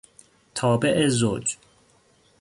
تابع زوج